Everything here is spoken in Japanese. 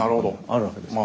あるわけです。